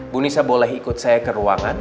bu nisa boleh ikut saya ke ruangan